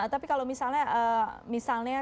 tapi kalau misalnya